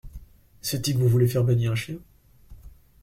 C’est-y que vous voulez faire baigner un chien ?